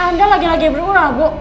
anda lagi lagi berurah bu